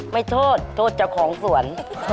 ไม่โทษโทษเจ้าของสวน